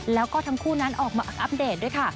แล้วก็ทั้งคู่นั้นออกมาอัปเดตด้วยค่ะ